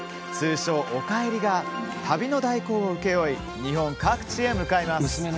通称「おかえり」が、旅の代行を請け負い日本各地へ向かいます。